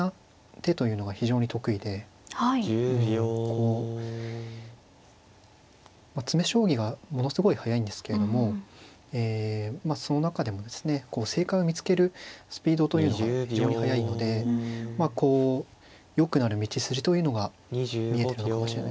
こう詰め将棋がものすごい速いんですけれどもその中でもですね正解を見つけるスピードというのが非常に速いのでまあこうよくなる道筋というのが見えてるのかもしれないですね。